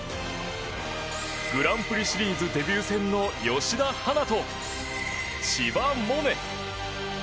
グランプリシリーズデビュー戦の吉田陽菜と千葉百音。